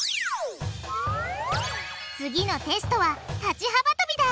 次のテストは立ち幅とびだ！